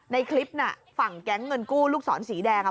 ในคลิปน่ะฝั่งแก๊งเงินกู้ลูกศรสีแดงอ่ะ